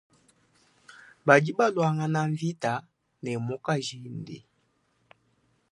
Badi baluangana mvita ne mukajende.